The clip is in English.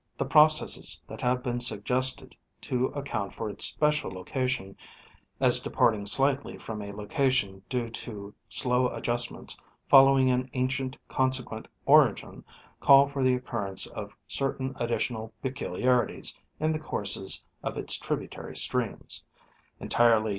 The processes that have been suggested to account for its special location, as departing slightly from a loca tion due to slow adjustments following an ancient consequent origin, call for the occurrence of certain additional peculiarities in the courses of its tributary streams, entirely